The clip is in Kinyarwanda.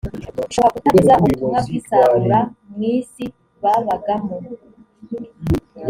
bishoboka, tukageza ubutumwa bw’isarura mu isi babagamo